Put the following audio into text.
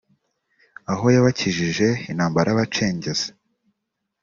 aho yabakijije intambara y’abacengezi